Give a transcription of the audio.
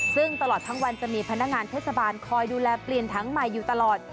ซึ่งตลอดทั้งวันจะมีพนักงานเทศบาลคอยดูแลเปลี่ยนถังใหม่อยู่ตลอด